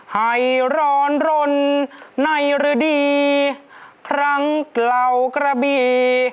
ให้ร้อนรนในฤดีครั้งเกล่ากระบี่